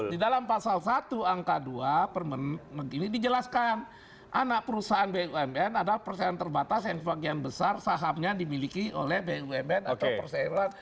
di dalam pasal satu angka dua permen ini dijelaskan anak perusahaan bumn adalah perusahaan terbatas yang sebagian besar sahamnya dimiliki oleh bumn atau persaingan